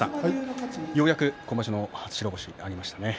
ようやく今場所の初白星が挙がりましたね。